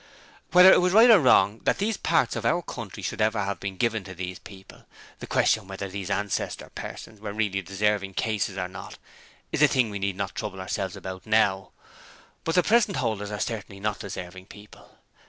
'Whether it was right or wrong that these parts of our country should ever have been given to those people the question whether those ancestor persons were really deserving cases or not is a thing we need not trouble ourselves about now. But the present holders are certainly not deserving people.